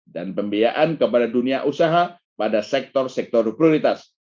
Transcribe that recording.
dan pembiayaan kepada dunia usaha pada sektor sektor prioritas